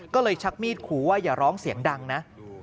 ก็เลยชักมีดขู่ว่าอย่าร้องเสียงดังนะ